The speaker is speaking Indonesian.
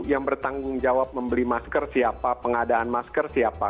yang bertanggung jawab membeli masker siapa pengadaan masker siapa